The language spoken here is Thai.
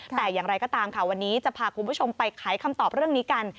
แต่อย่างไรก็ตามค่ะวันนี้จะพาคุณผู้ชมไปไขคำตอบเรื่องนี้กัน